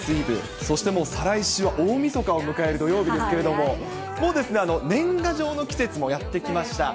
そしてもう再来週は大みそかを迎える土曜日ですけれども、もうですね、年賀状の季節もやって来ました。